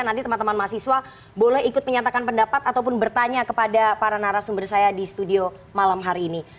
nanti teman teman mahasiswa boleh ikut menyatakan pendapat ataupun bertanya kepada para narasumber saya di studio malam hari ini